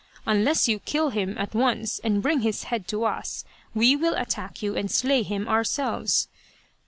Unless you kill him at once and bring his head to us, we will attack you and slay him ourselves.